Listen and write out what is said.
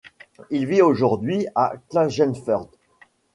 Il vit aujourd'hui à Klagenfurt.